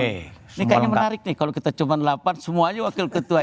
ini kayaknya menarik nih kalau kita cuma delapan semuanya wakil ketua